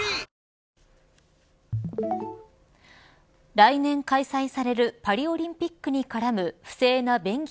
来年開催されるパリオリンピックに絡む不正な便宜